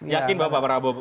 yakin pak prabowo